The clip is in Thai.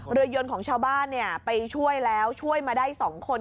เรือยนของชาวบ้านไปช่วยแล้วช่วยมาได้๒คน